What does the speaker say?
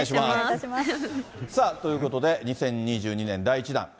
ということで、２０２２年第１弾！